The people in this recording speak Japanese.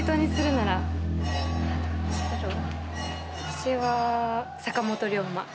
私は坂本龍馬。